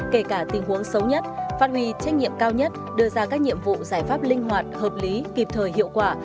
kể cả tình huống xấu nhất phát huy trách nhiệm cao nhất đưa ra các nhiệm vụ giải pháp linh hoạt hợp lý kịp thời hiệu quả